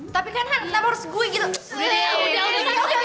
tapi kan han kita harus gue gitu